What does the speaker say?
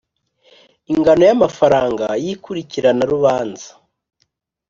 ingano y amafaranga y ikurikirana rubanza